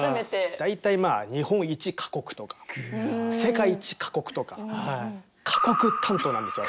大体まあ日本一過酷とか世界一過酷とか過酷担当なんですよ